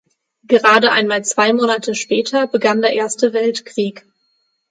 Gerade einmal zwei Monate später begann der Erste Weltkrieg.